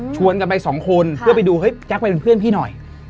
ชวนกันไปสองคนเพื่อไปดูจั๊กไปเป็นเพื่อนพี่หน่อย